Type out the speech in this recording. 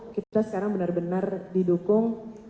kita sekarang bener bener didukung